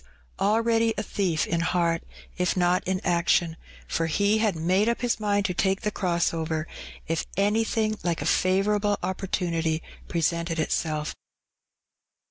already a thief in heart, if not in iction, for he had made up his mind to take the cross over if anything like a favourable opportunity presented itself.